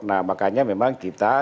nah makanya memang kita